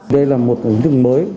đây là một hình thức mới